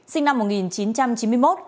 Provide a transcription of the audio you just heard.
sinh năm một nghìn chín trăm chín mươi một